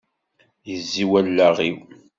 Yezzi wallaɣ-iw.